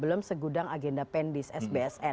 belum segudang agenda pendis sbsn